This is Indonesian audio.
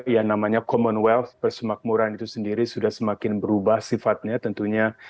ya namanya commonwealth persemakmuran itu sendiri sudah semakin berubah sifatnya tentunya